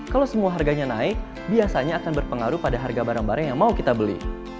kalau semua harganya naik biasanya akan berpengaruh pada harga barang barang yang mau kita beli